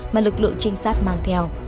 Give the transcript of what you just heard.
mà lực lượng trinh sát mang theo